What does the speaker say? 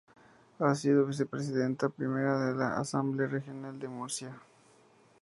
Ha sido vicepresidenta primera de la Asamblea Regional de Murcia.